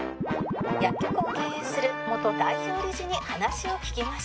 「薬局を経営する元代表理事に話を聞きました」